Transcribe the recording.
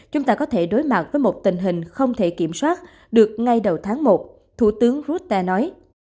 chúng ta có thể đối mặt với một tình hình không thể kiểm soát được ngay đầu tháng một thủ tướng rutte nói